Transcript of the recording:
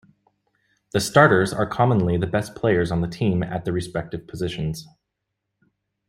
The starters are commonly the best players on the team at their respective positions.